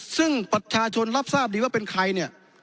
ซึ่งประชาชนรับทราบดีว่าเป็นใครเนี่ย